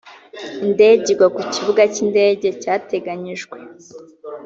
indege igwa ku kibuga cy indege cyateganyijwe